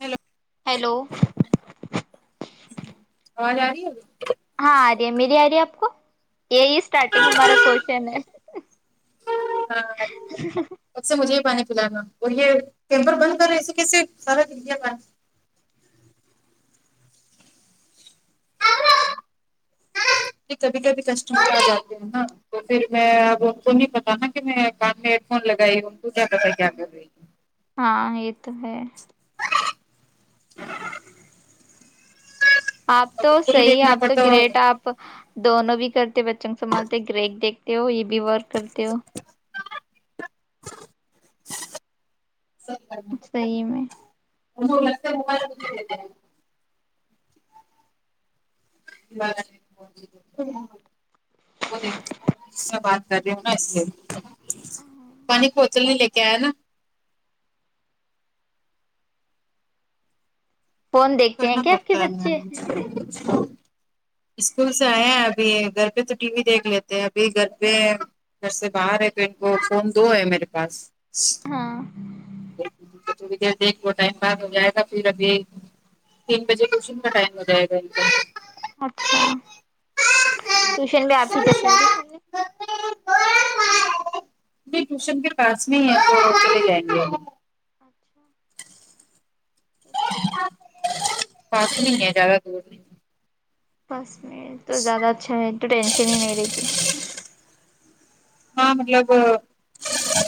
hello hello کون ہے ہاں آ رہی ہے میری آ رہی ہے آپ کو یہی اسٹارٹنگ ہمارا کوشن ہے ہاں آرہی ہے اب سے مجھے ہی پانی پلانا اور یہ ٹیمپر بند کرو ایسے کیسے سارا دل دیا کا کبھی کبھی کسٹمر آ جاتے ہیں نا تو پھر میں اب ان کو نہیں پتا نا کہ میں کان میں ہیڈ فون لگائی ان کو کیا پتا کیا کر رہی ہے ہاں یہ تو ہے [unintelligible] آپ تو ان کو بھی صحیح ہے دیکھنا آپ تو پڑتا ہوگا، گریٹ آپ دونوں بھی کرتے بچوں کو سنبھالتے گریک دیکتے ہو یہ بھی ورک کرتے ہو صحیح بات صحیح میں [unintelligible] [unintelligible] کر رہی ہو نا ایسے پانی کو اکیلے لے کے آیا نا فون دیکھتے ہیں کرنا کیا آپ کے پڑتا بچے ہے اسکول سے آئے ہیں ابھی یہ گھر پہ تو ٹی وی دیکھ لیتے ہیں ابھی گھر پہ ہے گھر سے باہر ہے تو ایک کو فون دو ہے میرے پاس ہاں تھوڑی دیر دیکھلو ٹائم پاس ہو جائے گا پھر ابھی ایک تین بجے ٹیشن کا ٹائم ہو جائے گا ان کا اچھا ٹیوشن میں آپ ہی کی جگہ ہے سنلے [unintelligible] نہیں ٹیوشن کے پاس میں ہی ہے تو چلے جائیں گے ہم اچھا اس سے کافی نہیں ہے زیادہ دور نہیں بس میں تو زیادہ اچھا ہے تو ٹینشن ہی نہیں رہتی ہاں مطلب وہ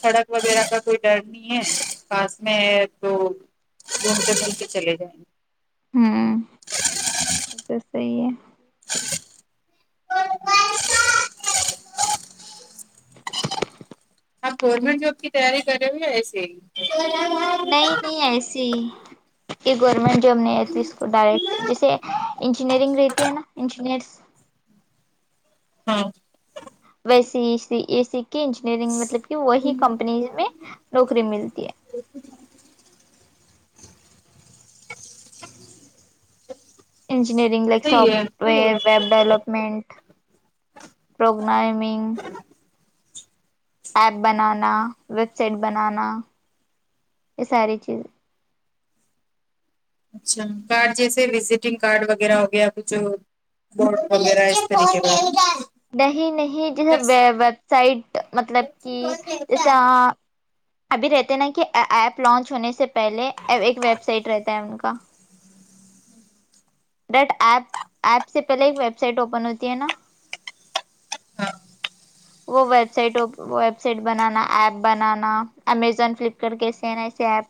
سڑک وغیرہ کا کوئی ڈر نہیں ہے پاس میں ہے تو گومتے گھومتے چلے گۓ ہیں ہمم یہ تو صحیح ہے [inaudible] آپ گورنمنٹ جاب کی تیاری کر رہے ہو یا ایسے ہی نہیں نہیں ایسے ہی یہ گورنمنٹ جاب نہیں رہتی اس کو ڈائریکٹ جیسے انجینئرنگ رہتی ہے نا انجینئرس ہاں ویسی ای سی اے سی کی انجینئرنگ مطلب کہ وہی کمپنیز میں نوکری ملتی ہے انجینئرنگ لائک صحیح ساف ہے نی ڈویلپمنٹ پروگرامنگ ایپ بنانا ویب سائٹ بنانا یہ ساری چیزیں اچھا کارڈ جیسے وزیٹنگ کارڈ وغیرہ ہو گیا کچھ بوڈ وغیرہ سپنچ اور نہیں نہیں جیسے ویب سائٹ مطلب کی جیسا ابھی رہتے ہیں نا کہ ایپ لانچ ہونے سے پہلے ایک ویب سائٹ رہتا ہے ان کا ڈٹ ایپ ایپ سے پہلے ایک ویب سائٹ اوپن ہوتی ہے نا ہاں وہ ویب سائٹ وہ ویب سائٹ بنانا ایپ بنانا امیزون فلپ کارٹ کیسے ہے نا ایسے ایپ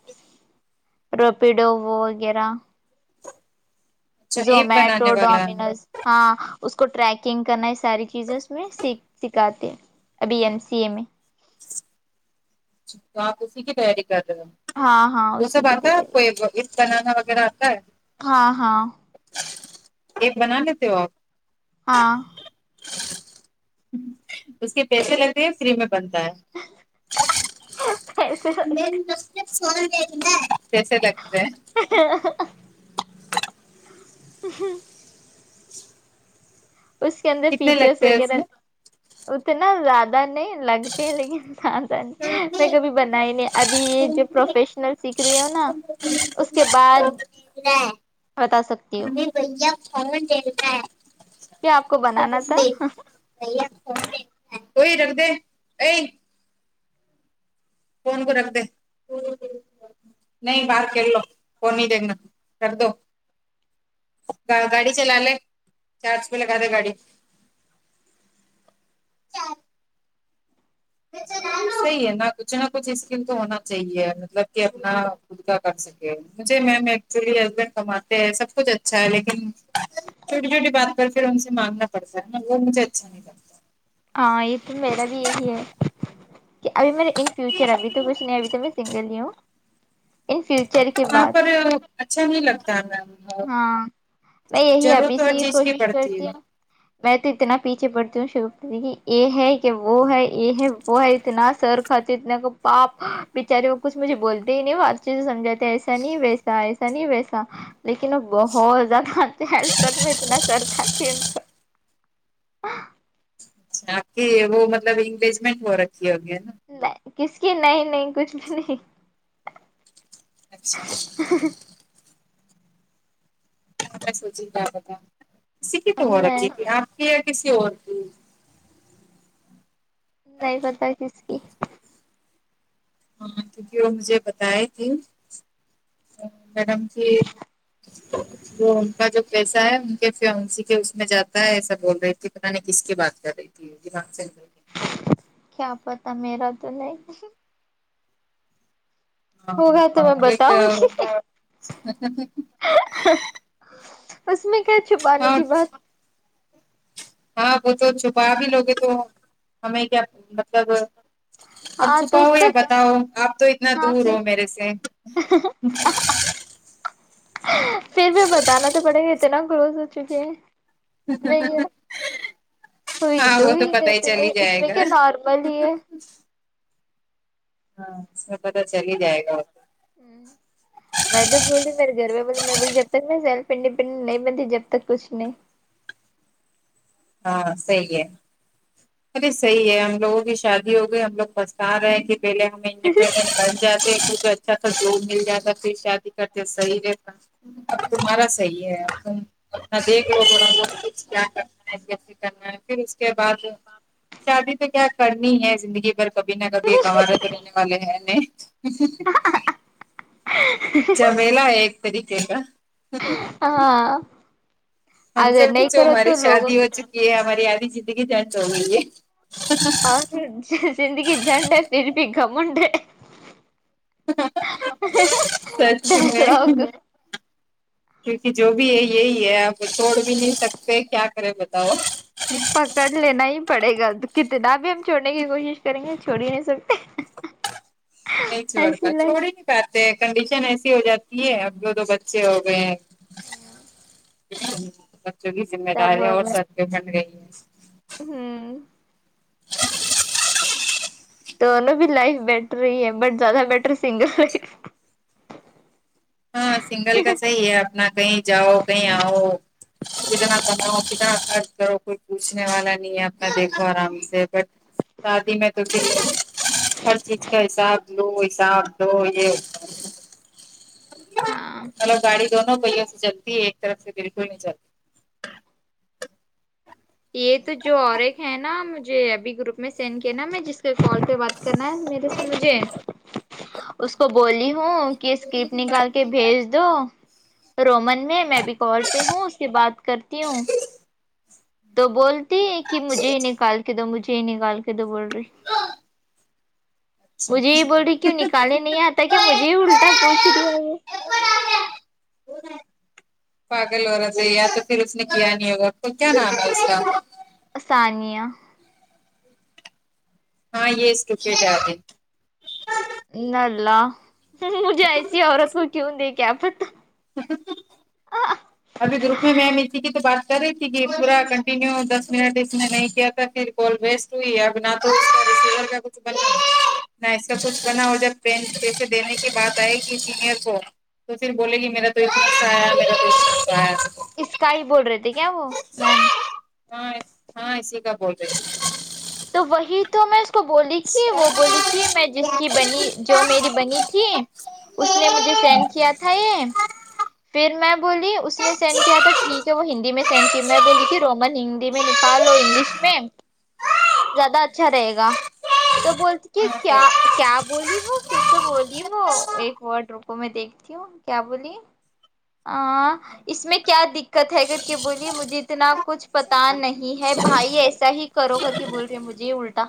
راپیڈو وہ وغیرہ اچھا ایپ زومیٹو بنانے والا ہے ڈومینوز ہاں اس کو ٹریکنگ کرنا یہ ساری چیزیں اس میں سیک سکھاتے ہے ابھی ایم سی اے میں واپسی کی تیاری کر رہے ہاں ہاں ہووہ اسی سب کی اتا ہے آپ تیاری کو ایک بنانا وغیرہ آتا ہے ہاں ہاں کیک بنا لیتے ہو آپ ہاں اس کے پیسے لگتے ہیں فری میں بنتا ہے [unintelligible] کیسے لگتا ہے ا ہا ہا و ہاں اس کے اندر کتنے فیچرس لگتے ہیں اس وغیرہ میں اتنا زیادہ نہیں لگتی ہے لیکن زیادہ نہیں میں کبھی بنائی نہیں ابھی یہ جو پروفی شن سیکھ رہی ہو نا اس کے بعد بتا سکتی ہو ہمیں بھیا فون دیتا ہے کیا آپ کو بنانا تھا اوئی رکھ دے ایی فون کو رکھ دے نہیں باہر کھیل لو فون نہیں دیکھنا رکھ دو گا گاڑی چلالے چارج پے لگا دے گاڑی صحیح ہے نا کچھ نہ کچھ اسکل تو ہونا چاہیے مطلب کہ اپنا خود کا کر سکے مجھے میم ایکچولی ہسبینڈ کماتے ہیں سب کچھ اچھا ہے لیکن چھوٹی چھوٹی بات پر پھر ان سے مانگنا پڑسکتا وہ مجھے اچھا نہیں لگتا ہاں یہ تو میرا بھی یہی ہے کہ ابھی میرے ان فیوچر ابھی تو کچھ نہیں ابھی تو بس ٹھیک ہے لیو ان فیوچر کی وہاں پر اچھا نہیں لگتا ہے میم ہاں میں یہی ضرورت ابھی تو سے ہر ہی چیز کی کوشش پڑتی ہے کرتی ہوں میں تو اتنا پیچھے پڑتی ہوں شگفتہ دیدی کے ایے ہے کہ وہ ہے اے ہے وہ ہے اتنا سر کھاتی اتنا کو پاپ بچاری وہ کچھ مجھے بولتی ہی نہیں وہ اچھے سے سمجھا تے ایسا نہیں ویسا ایسا نہیں ویسا لیکن وہ بہت زیادہ اتنا ہیلپ کرو اتنا سر کھاتی ہے ان کا آ ہ اچھا کے وہ مطلب انگیجمنٹ ہو رکھی ہوگی ہے نا نہی کس کی نہیں نہیں کچھ بھی نہیں اچھا آپ کیا سوچی کہ کیا پتہ تکسی کی تو ہو رکھی نہیں تھی آپ کی یا کسی اور کی نہیں پتہ ہے کس کی ہاں مما کیونکہ وہ مجھے بتائے تھے میڈم سے [inaudible] وہ ان کا جو پیسہ ہے ان کے فیونسی کے اس میں جاتا ہے ایسا بول رہی تھی پتہ نہیں کس کی بات کر رہی تھی د دماغ سے نکل کیا پتہ میرا تو نہیں ہاں ہوگا تو میں ایک بتاؤں گی اس میں کیا چھپانے ہاں کی بات ہاں وہ تو چھپا بھی لوگے تو ہمیں کیا مطلب اب ہاں تو اس چھوپاؤ کا یا بتاؤ آپ تو اتنا ہاں دور پھر ہو میرے سے پھر بھی بتانا تو پڑیے گا اتنا کلوز ہو چکے ہیں اس میں یہ ہوئی ہاں وہ توئی پتا دی ہی تو چل ہی نہیں اس جائے میں گا کیا نارمل ہی ہے ہاں اس کا پتہ چل ہی جائے گا میں تو بولی میرے گھر میں بولی میں بولی جب تک میں سیلف انڈیپینڈنٹ نہیں بنتی جب تک کچھ نہیں ہاں صحیح ہے ارے صحیح ہے ہم لوگوں کی شادی ہو گئی ہم لوگ پسٹا رہے ہیں کہ پہلے ہمیں انڈیپینڈنٹ جاتے اچھے سے اچھا سا گروم مل جاتا پھر شادی کرتے صحیح رہتا اب تمہارا صحیح ہے اب تم اپنا دیکھ لو تھوڑا بہت کچھ کیا کرنا ہے کیسے کرنا ہے پھر اس کے بعد شادی تو کیا کرنی ہے زندگی بھر کبھی نہ کبھی کنوارے تو رہنے والے ہیں نہیں جھمیلا ہے ایک طریقے کا ہاں اگر نہیں کرے تو لوگوکے یہ ہماری آدھی زندگی جنڈ ہوگئی ہے اور پھر زندگی جہنڈ ہے پھر بھی گھمنڈ ہے سچ میں [inaudible] کیونکہ جو بھی ہے یہی ہے آپ چھوڑ بھی نہیں سکتے کیا کرے بتاؤ پکڑ لینا ہی پڑے گا تو کتنا بھی ہم چھوڑنے کی کوشش کریں گے چھوڑ ہی نہیں سکتے نی چھوڈتا ایسی لائف چھوڑی نہیں کرتے ہیں کنڈیشن ایسی ہو جاتی ہے اب دو دو بچے ہو گئے ہیں ہوں بچوں کی ذمہ داریاں اور ہوگا سبکے جھگڑے ہی ہے ہوں دونوں بھی لائف بیٹر ہی ہے بٹ زیادہ بیٹر سنگل ہی ہے ہاں سنگل کا صحیح ہے اپنا کہیں جاؤ کہیں آؤ کتنا کماؤ کتنا خرچ کرو کوئی پوچھنے والا نہیں ہے اپنا دیکھو آرام سے بٹ شادی میں تو ہر چیز کا حساب لو حساب دو یہ ہاں مطلب گاڑی دونوں پہیوں سے چلتی ہے ایک طرف سے بلکل نہیں چلتی یہ تو جو اور ایک ہے نا مجھے ابھی گروپ میں سینڈ کیا نا میں جس کے کال پے بات نا میرے سے مجھے اس کو بولی ہو کہ اسکپ نکال کہ بھیج دو رومن میں میں بھی کال پہ ہوں اس سے بات کرتی ہوں تو بولتی ہے کہ مجھے ہی نکال کے دو مجھے ہی نکال کے دو بول ری مجھے یہ بول ری کیوں نکالنے نہیں آتا کیا مجھے ہی الٹا پوچ رہی ہے وہ پیپر آگیا پاگل عورت ہے یا تو پھر اس نے کیا نہیں ہوگا تو کیا نام ہے اس کا ثانیہ ہاں یہ اسکے [unintelligible] انلا مجھے ایسی عورت کو کیوں دے کے پتا ابھی گروپ میں میم اسی کی تو بات کر رہی تھی کہ پورا کنٹینیو دس منٹ اس میں نہیں کیا تھا پھر آل وسٹ ہوئی ہے اب نہ تو اس کا کچھ بنا نہ اس کا کچھ بنا ہو جب پیسے دینے کی بات آئے گی سینئر کو تو پھر بولے گی میرا تو ایک حصہ آیا میرا توصہ اسکا ہی بول رہے تھے کیا وہ میم ہاں اس ہاں اسی کا بول رہے تو وہی تو میں تو بولی کہ وہ بولی ہاں کہ میں جس کی بنی صحیح جو میری بنی تھی اس نے مجھے سینڈ کیا تھا یہ پھر میں بولی اس نے سینڈ کیا تھا ٹھیک ہے وہ ہندی میں سینڈ کی میں بولی کہ رومن ہندی میں نکالو انگلش میں زیادہ اچھا رہے گا تو بولتی کہ کیا کیا بولی وہ کچھ تو بولی ہے وہ ایک ورڈ رکو میں دیکھتی ہوں کیا بولی آ ں اس میں کیا دقت ہے کر کے بولی مجھے اتنا کچھ پتا نہیں ہے بھائی ایسا ہی کرو ک کہ بول رہی مجھے الٹا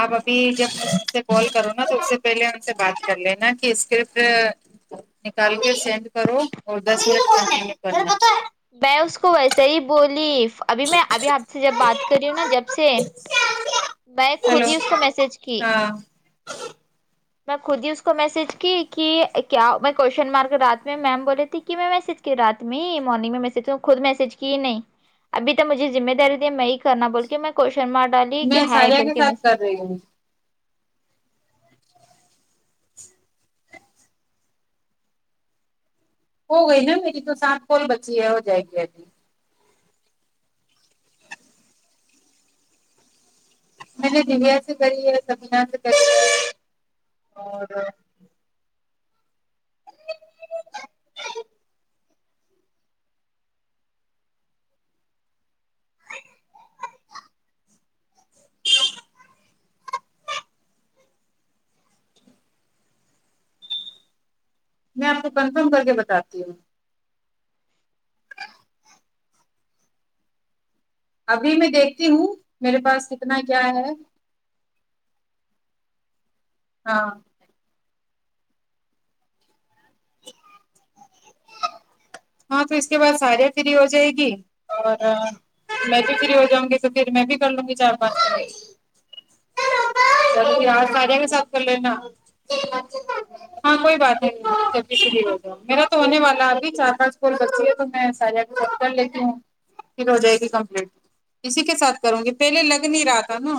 آپ ابھی جب سے کال کرو نا تو اس سے پہلے ان سے بات کر لینا کہ اسکرپٹ نکال کے سینڈ کرو اور دس منٹ ت سین کرنا میں اس کو ویسے ہی بولی ابھی میں ابھی آپ سے جب بات کری ہوں نا جب سے میں ہیلو خود ہی اس کو میسج کی ہاں [inaudible] میں خود ہی اس کو میسج کی کہ کیا میں کوشن مارک رات میں میم بولے تھی کہ میں میسج کی رات میں مارننگ میں میسجوں خود میسج کی نہیں ابھی تو مجھے ذمہ داری دی ہے میں ہی کرنا بول کے میں کوشن مارک ڈالی کہ میں ہا یے ساریہ کر کے [unintelligible] ہو گئی نا میری تو سات کال بچی ہے ہو جائے گی ابھی میں نے دویا سے کری ہے صبیحہ سے [inaudible] اور میں آپ کو کنفرم کر کے بتاتی ہوں ابھی میں دیکھتی ہوں میرے پاس کتنا کیا ہے ہاں [unintelligible] ہاں تو اس کے بعد ساریا فری ہو جائے گی اور میں بھی فری ہو جاؤں گی تو پھر میں بھی کر لوں گی چار پانچ صبیحہ ساریا کے ساتھ کر لینا ہاں کوئی بات نہیں جلدی فری ہوجاؤ میرا تو ہونے والا ابھی چار پانچ کال بچتی تو میں ساریا کو کال کر لیتی ہوں پھر ہو جائے گی کمپلیٹ اسی کے ساتھ کروں گی پہلے لگ نہیں رہا تھا نا